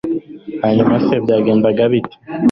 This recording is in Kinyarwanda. hanyuma se byagendaga bite